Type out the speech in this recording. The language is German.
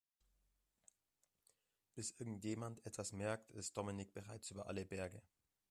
Bis irgendjemand etwas merkt, ist Dominik bereits über alle Berge.